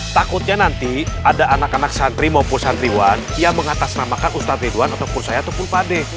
takutnya nanti ada anak anak santri maupun santriwan yang mengatasnamakan ustadz ridwan atau kursaya itu pun pak d